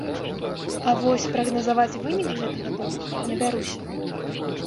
А вось прагназаваць вынік гэтага торгу не бяруся.